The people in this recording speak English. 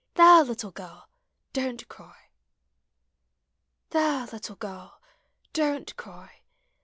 — There! little girl, don't cry! There! little girl, don't cry!